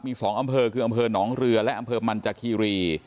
มี๒อำเภอคืออำเภอหนองเรือและอำเภอมันจากคีรี